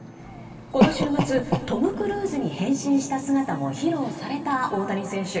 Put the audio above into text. この週末トム・クルーズに変身した姿も披露された大谷選手。